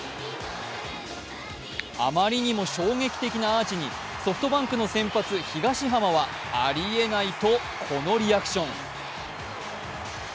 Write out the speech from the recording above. あまりにも衝撃的なアーチにソフトバンクの先発・東浜はありえないとこのリアクション。